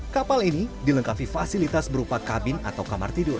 kapal ini dilengkapi fasilitas berupa kabin atau kamar tidur